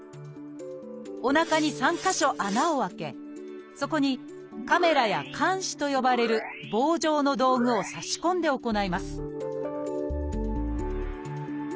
おなかに３か所穴を開けそこにカメラや鉗子と呼ばれる棒状の道具を差し込んで行います